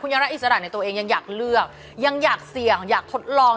ยังรักอิสระในตัวเองยังอยากเลือกยังอยากเสี่ยงอยากทดลอง